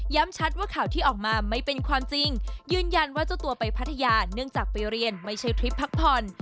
ชัดว่าข่าวที่ออกมาไม่เป็นความจริงยืนยันว่าเจ้าตัวไปพัทยาเนื่องจากไปเรียนไม่ใช่ทริปพักผ่อน